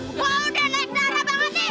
gue udah naik darah banget nih